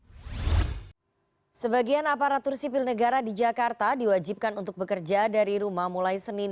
hai sebagian aparatur sipil negara di jakarta diwajibkan untuk bekerja dari rumah mulai senin